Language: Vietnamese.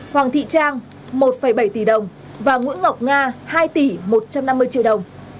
hoàng thị trang một bảy tỷ đồng và nguyễn ngọc nga hai tỷ một trăm năm mươi triệu đồng